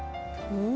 うん！